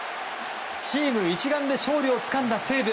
チーム一丸で勝利をつかんだ西武。